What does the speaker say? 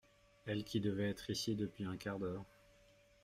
Elle qui devait être ici depuis un quart d’heure…